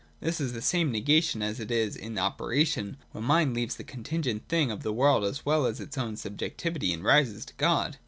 This is the same negation, as is in operation when the mind leaves the contingent things of the world as well as its own subjec tivity and rises to God.